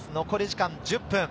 残り時間１０分。